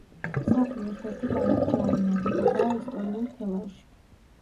სახლი ერთ-ერთი გამორჩეული ნაგებობაა ისტორიულ თელავში.